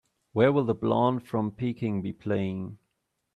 Where will The Blonde from Peking be playing